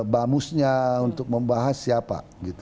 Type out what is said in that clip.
bamus nya untuk membahas siapa